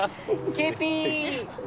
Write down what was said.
ＫＰ。